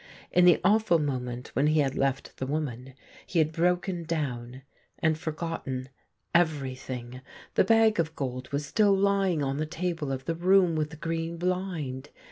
In the awful moment when he had left the woman, he had broken down, and forgotten m THE GREEN LIGHT everything. The bag of gold was still lying on the table of the room with the green blind.